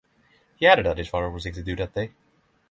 He added that his father was sixty-two that day.